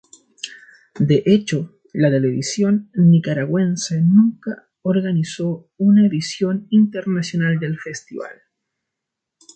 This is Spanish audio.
De hecho, la televisión nicaragüense nunca organizó una edición internacional del festival.